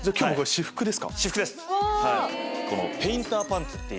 私服です。